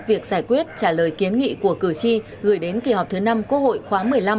việc giải quyết trả lời kiến nghị của cử tri gửi đến kỳ họp thứ năm quốc hội khóa một mươi năm